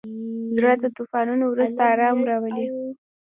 زړه د طوفانونو وروسته ارام راولي.